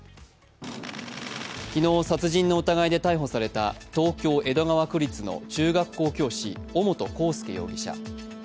昨日、殺人の疑いで逮捕された東京・江戸川区立の中学校教師、尾本幸祐容疑者。